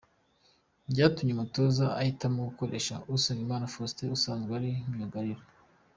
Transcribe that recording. Byatumye umutoza ahitamo kuhakoresha Usengimana Faustin usanzwe ari myugariro.